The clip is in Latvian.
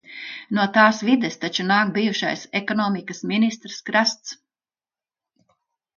No tās vides taču nāk bijušais ekonomikas ministrs Krasts.